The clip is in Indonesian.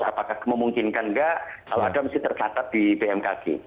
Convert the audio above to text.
apakah memungkinkan enggak kalau ada mesti tercatat di bmkg